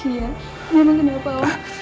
iya memang kenapa om